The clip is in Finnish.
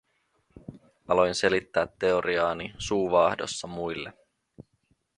Aloin selittää teoriaani suu vaahdossa muille.